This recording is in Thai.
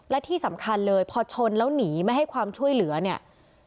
และที่สำคัญเลยพอชนแล้วหนีไม่ให้ความช่วยเหลือเนี่ย